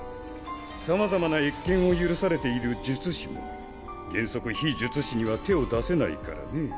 さまざまな越権を許されている術師も原則非術師には手を出せないからね。